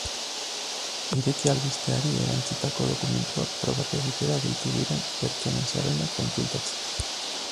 Ireki albisteari erantsitako dokumentuak probak egitera deitu diren pertsonen zerrendak kontsultatzeko.